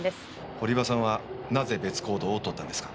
堀場さんはなぜ別行動をとったんですか？